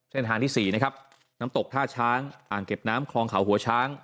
เส้นทางที่๔นะครับน้ำตกท่าช้างอ่างเก็บน้ำคลองเขาหัวช้าง